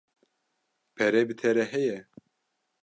Pere bi te re heye?